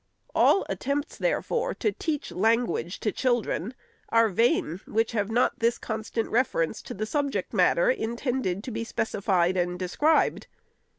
All attempts, therefore, to teach language to children, are vain, which have not this constant reference to the subject matter intended to be specified and described.